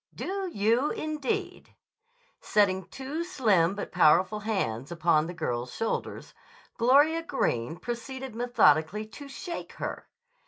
"Do you, indeed!" Setting two slim but powerful hands upon the girl's shoulders, Gloria Greene proceeded methodically to shake her.